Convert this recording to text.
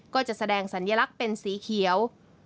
ก็จะแสดงสัญลักษณ์เป็นสีเขียว